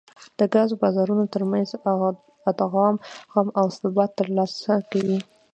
د ګازو بازارونو ترمنځ ادغام او ثبات ترلاسه کوي